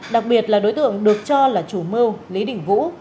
đặc biệt là đối tượng được cho là chủ mưu lý đỉnh vũ